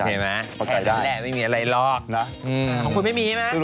เรากำลังม้อม้อยกับคนอื่นอยู่